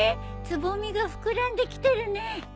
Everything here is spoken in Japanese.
つぼみが膨らんできてるね。